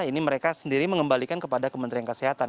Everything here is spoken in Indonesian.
ini mereka sendiri mengembalikan kepada kementerian kesehatan